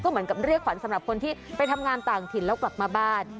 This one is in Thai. เหมือนกับเรียกขวัญสำหรับคนที่ไปทำงานต่างถิ่นแล้วกลับมาบ้าน